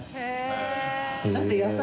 だって夏菜）